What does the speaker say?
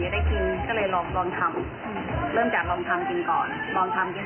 ว่าก็กลัวนอกไม่เป็นชเลนเทนเวอร์แล้ว